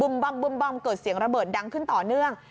บอมเกิดเสียงระเบิดดังขึ้นต่อเนื่อง